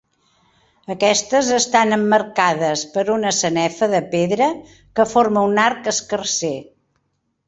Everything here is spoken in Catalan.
Aquestes estan emmarcades per una sanefa de pedra que forma un arc escarser.